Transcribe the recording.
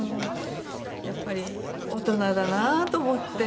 やっぱり大人だなと思って。